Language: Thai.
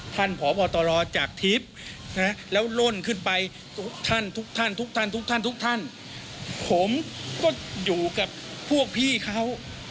ท่านพบตลจากทฤษฐ์แล้วล่นขึ้นไปทุกท่านผมก็อยู่กับพวกพี่เขา